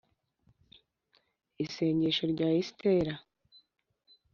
isengesho rya esitera